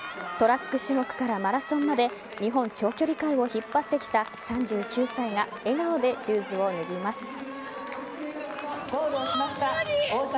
トラック種目からマラソンまで日本長距離界を引っ張ってきた３９歳が笑顔でシューズを脱ぎます。